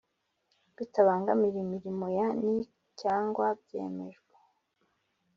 Bitabangamiye imirimo ya nic kandi byemejwe